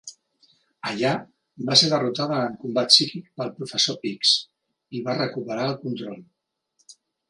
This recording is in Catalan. Allà, va ser derrotada en combat psíquic pel Professor X, i va recuperar el control.